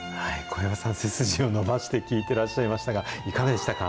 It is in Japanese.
小籔さん、背筋を伸ばして聴いてらっしゃいましたが、いかがでしたか。